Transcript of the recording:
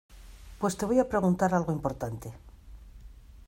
pues te voy a preguntar algo importante.